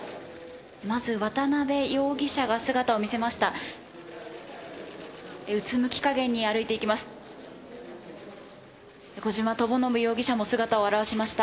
まず渡辺容疑者が姿を見せました。